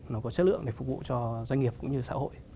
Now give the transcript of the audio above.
nó có chất lượng để phục vụ cho doanh nghiệp cũng như xã hội